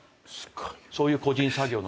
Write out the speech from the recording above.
そういう個人作業の中で。